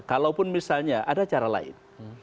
kalaupun misalnya ada cara lain